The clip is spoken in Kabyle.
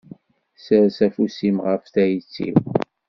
Sers afus-im ɣef tayet-iw.